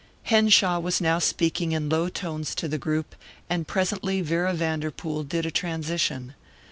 Henshaw was now speaking in low tones to the group, and presently Vera Vanderpool did a transition.